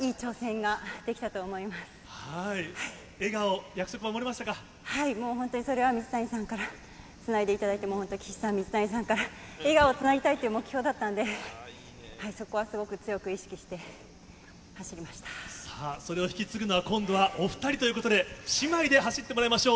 はい、もう本当にそれは水谷さんからつないでいただいて、岸さん、みずたにさんから笑顔つなげたいっていう目標だったんで、そこはそれを引き継ぐのは、今度はお２人ということで、姉妹で走ってもらいましょう。